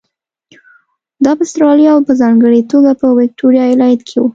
دا په اسټرالیا او په ځانګړې توګه په ویکټوریا ایالت کې وو.